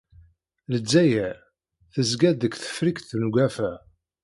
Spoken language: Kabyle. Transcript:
Ldzayer tezga-d deg Tefriqt n Ugafa.